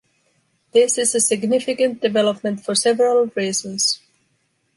This is a significant development for several reasons.